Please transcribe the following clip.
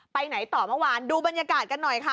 ไปไหนต่อเมื่อวานดูบรรยากาศกันหน่อยค่ะ